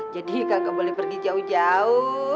jadi kagak boleh pergi jauh jauh